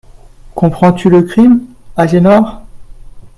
Comprends-tu le crime, Agénor ?